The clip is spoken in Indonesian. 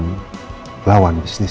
menjatuhkan lawan bisnis